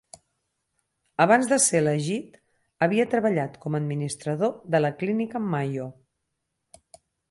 Abans de ser elegit, havia treballat com a administrador de la Clínica Mayo.